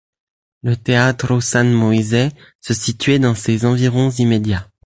Le Teatro San Moisè se situait dans ses environs immédiats.